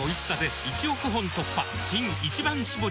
新「一番搾り」